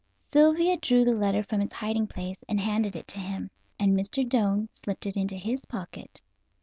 Sylvia drew the letter from its hiding place and handed it to him, and Mr. Doane slipped it into his pocket.